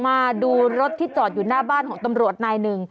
มาดูรถที่จอดอยู่หน้าบ้านของตำรวจนายหนึ่ง